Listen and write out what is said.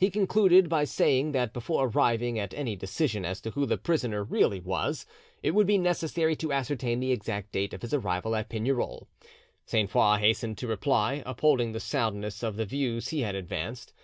He concluded by saying that before arriving at any decision as to who the prisoner really was, it would be necessary to ascertain the exact date of his arrival at Pignerol. Sainte Foix hastened to reply, upholding the soundness of the views he had advanced.